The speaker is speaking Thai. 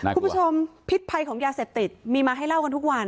คุณผู้ชมพิษภัยของยาเสพติดมีมาให้เล่ากันทุกวัน